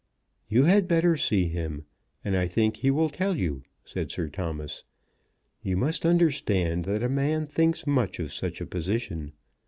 "You had better see him, and I think he will tell you," said Sir Thomas. "You must understand that a man thinks much of such a position.